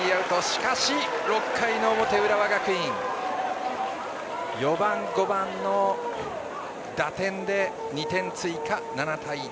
しかし、６回の表浦和学院、４番、５番の打点で２点追加、７対１。